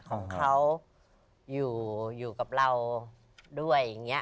ของเขาอยู่อยู่กับเราด้วยอย่างนี้